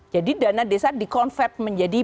jadi dana desa dikonvert menjadi